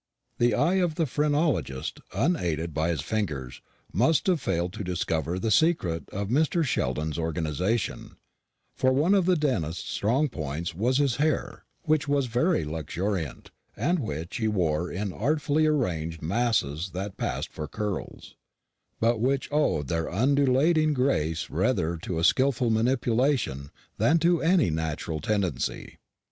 The eye of the phrenologist, unaided by his fingers, must have failed to discover the secrets of Mr. Sheldon's organisation; for one of the dentist's strong points was his hair, which was very luxuriant, and which he wore in artfully arranged masses that passed for curls, but which owed their undulating grace rather to a skilful manipulation than to any natural tendency.